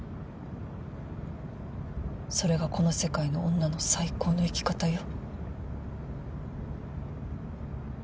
それがこの世界の女の最高の生き方よ。